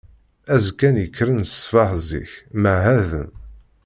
Azekka-nni, kkren-d ṣṣbeḥ zik, mɛahaden.